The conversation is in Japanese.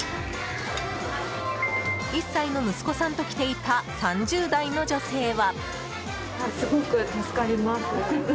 １歳の息子さんと来ていた３０代の女性は。